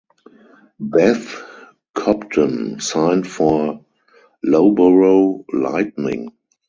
Beth Cobden signed for Loughborough Lightning.